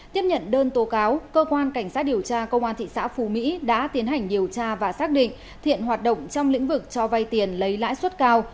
tiếp nhận đơn tố cáo cơ quan cảnh sát điều tra công an thị xã phú mỹ đã tiến hành điều tra và xác định thiện hoạt động trong lĩnh vực cho vay tiền lấy lãi suất cao